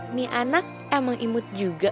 ini anak emang imut juga